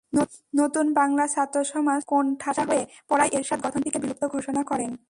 নতুন বাংলা ছাত্রসমাজ কোণঠাসা হয়ে পড়ায় এরশাদ সংগঠনটিকে বিলুপ্ত ঘোষণা করেন।